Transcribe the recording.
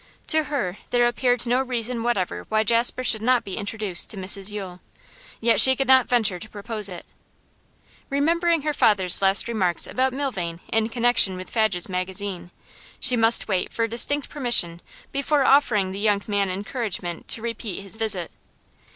To her there appeared no reason whatever why Jasper should not be introduced to Mrs Yule, yet she could not venture to propose it. Remembering her father's last remarks about Milvain in connection with Fadge's magazine, she must wait for distinct permission before offering the young man encouragement to repeat his visit.